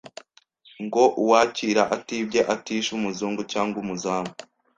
Ngo uwakira atibye atishe umuzungu cyangwa umuzamu